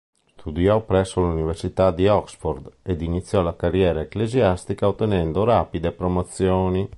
Studiò presso l'Università di Oxford ed iniziò la carriera ecclesiastica ottenendo rapide promozioni.